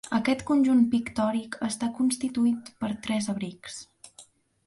Aquest conjunt pictòric està constituït per tres abrics.